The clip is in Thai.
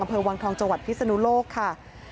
อำเภอวังทองจังหวัดพิศนุโลกค่ะ